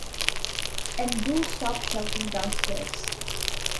And do stop shouting downstairs.